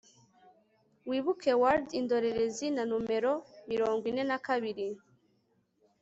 Wibuke Ward Indorerezi na Numero mirongo ine na kabiri